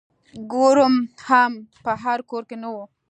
ګوړه هم په هر کور کې نه وه.